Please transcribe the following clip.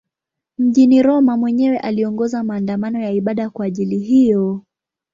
Mjini Roma mwenyewe aliongoza maandamano ya ibada kwa ajili hiyo.